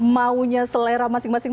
maunya selera masing masing